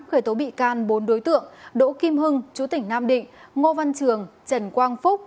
khởi tố bị can bốn đối tượng đỗ kim hưng chú tỉnh nam định ngô văn trường trần quang phúc